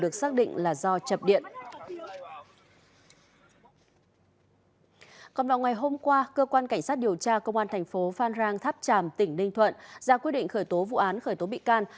còn vào ngày hôm qua cơ quan cảnh sát điều tra công an thành phố phan rang tháp tràm tỉnh ninh thuận ra quyết định khởi tố vụ án khởi tố bị can